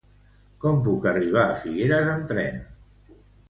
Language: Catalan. Com puc arribar a Figueres amb tren?